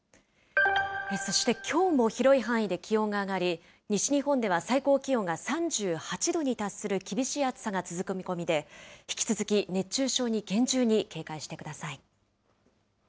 そしてきょうも広い範囲で気温が上がり、西日本では最高気温が３８度に達する厳しい暑さが続く見込みで、引き続き熱中症に厳重に警戒してください。